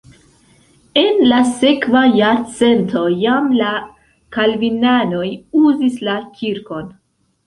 En la sekva jarcento jam la kalvinanoj uzis la kirkon.